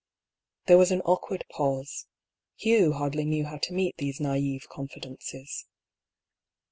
There was an awkward pause. Hugh hardly knew how to meet these naive confidences.